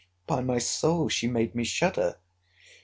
—By my soul she made me shudder!